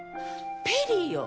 ペリーよ！